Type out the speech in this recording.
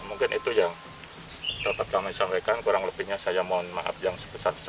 mungkin itu yang dapat kami sampaikan kurang lebihnya saya mohon maaf yang sebesar besarnya